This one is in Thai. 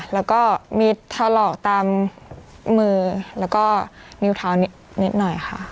แล้วก็มีถลอกตามมือแล้วก็นิ้วเท้านิดหน่อยค่ะ